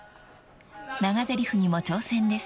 ［長ぜりふにも挑戦です］